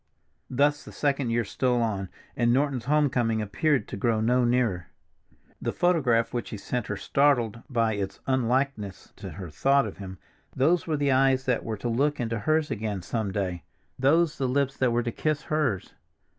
Thus the second year stole on, and Norton's home coming appeared to grow no nearer. The photograph which he sent her startled by its unlikeness to her thought of him; those were the eyes that were to look into hers again some day, those the lips that were to kiss hers.